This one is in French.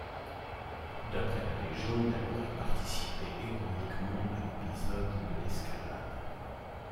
D'après la légende, elle aurait participé héroïquement à l'épisode de l'Escalade.